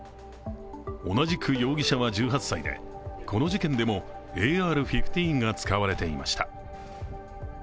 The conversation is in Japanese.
同じく容疑者は１８歳でこの事件でもＡＲ−１５が使われていました。